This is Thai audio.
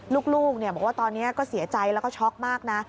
ลูกบอกว่าตอนนี้ก็เสียใจแล้วก็ช็อกมากนะ